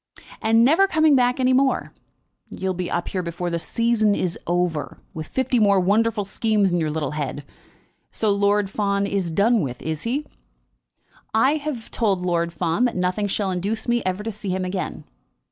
"And never coming back any more? You'll be up here before the season is over, with fifty more wonderful schemes in your little head. So Lord Fawn is done with, is he?" "I have told Lord Fawn that nothing shall induce me ever to see him again."